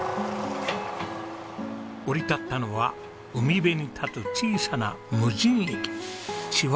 降り立ったのは海辺に立つ小さな無人駅千綿駅。